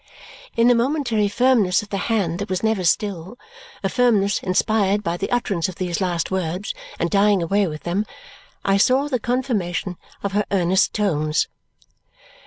In the momentary firmness of the hand that was never still a firmness inspired by the utterance of these last words, and dying away with them I saw the confirmation of her earnest tones.